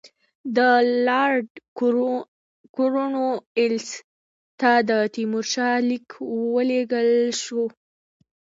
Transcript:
د لارډ کورنوالیس ته د تیمورشاه لیک ولېږل شو.